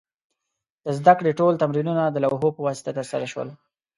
د زده کړې ټول تمرینونه د لوحو په واسطه ترسره شول.